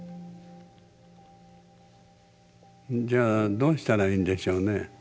じゃあどうしたらいいんでしょうね。